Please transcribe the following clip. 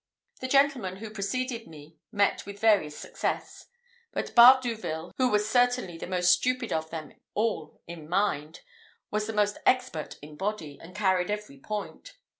The gentlemen who preceded me met with various success; but Bardouville, who was certainly the most stupid of them all in mind, was the most expert in body, and carried every point.